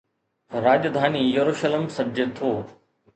راڄڌاني يروشلم سڏجي ٿو